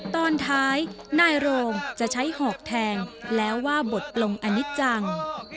ตอนท้ายนายโรงจะใช้หอกแทงแล้วว่าบทลงอันนี้จัง